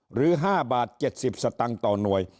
หรือ๕บาท๗๐สตางค์ต่อหน่วย